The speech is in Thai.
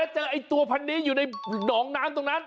เจอตัวพันธุ์นี้อยู่ในน้องน้ำตรงนั้น